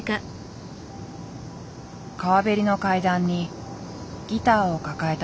川べりの階段にギターを抱えた男性がいた。